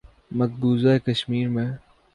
مقبوضہ کشمیر میں